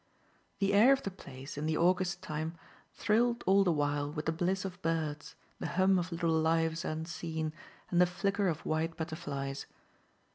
The air of the place, in the August time, thrilled all the while with the bliss of birds, the hum of little lives unseen and the flicker of white butterflies.